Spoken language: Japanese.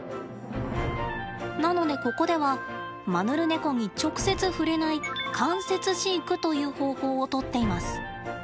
なのでここではマヌルネコに直接触れない間接飼育という方法をとっています。